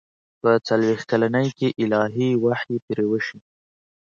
په څلوېښت کلنۍ کې الهي وحي پرې وشي.